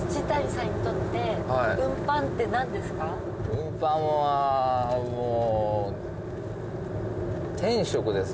運搬はもう。